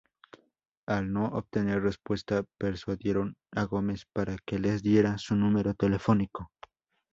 Al no obtener respuesta, persuadieron a Gómez para que les diera su número telefónico.